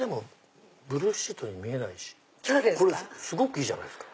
ブルーシートに見えないしすごくいいじゃないですか。